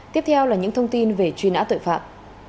tiếp theo là những thông tin về truy nã tội phạm